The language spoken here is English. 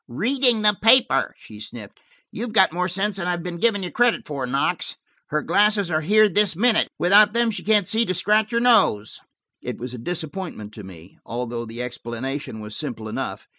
"Reading the paper!" she sniffed. "You've got more sense than I've been giving you credit for, Knox. Her glasses are here this minute; without them she can't see to scratch her nose." It was a disappointment to me, although the explanation was simple enough.